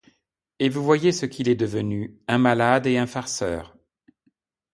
Et vous voyez ce qu'il est devenu, un malade et un farceur!